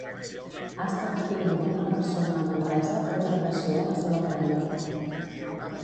Ha estat detinguda una persona a Manresa per una agressió a la seva parella.